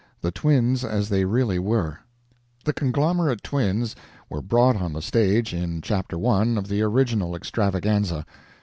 THE TWINS AS THEY REALLY WERE The conglomerate twins were brought on the stage in Chapter I of the original extravaganza.